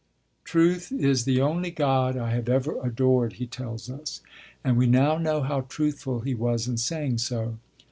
'Truth is the only God I have ever adored,' he tells us: and we now know how truthful he was in saying so.